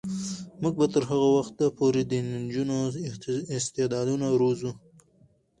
موږ به تر هغه وخته پورې د نجونو استعدادونه روزو.